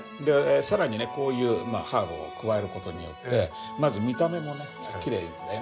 更にねこういうハーブを加える事によってまず見た目もねきれいだよね。